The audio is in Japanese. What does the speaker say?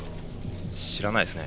知らないっすね。